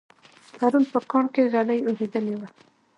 پرون په کاڼ کې ږلۍ اورېدلې وه